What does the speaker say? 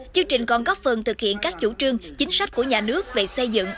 chương trình còn góp phần thực hiện các chủ trương chính sách của nhà nước về xây dựng